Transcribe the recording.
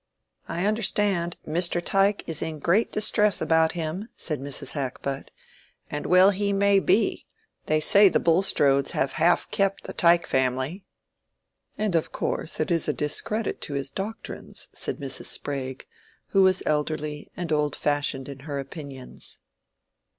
"I understand, Mr. Tyke is in great distress about him," said Mrs. Hackbutt. "And well he may be: they say the Bulstrodes have half kept the Tyke family." "And of course it is a discredit to his doctrines," said Mrs. Sprague, who was elderly, and old fashioned in her opinions.